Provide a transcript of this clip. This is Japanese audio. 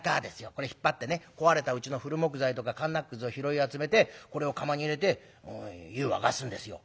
これ引っ張ってね壊れたうちの古木材とかかんなくずを拾い集めてこれを釜に入れて湯沸かすんですよ」。